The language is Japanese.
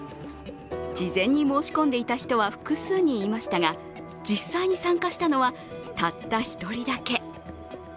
事前に申し込んでいた人は複数人いましたが実際に参加したのはたった１人だけ。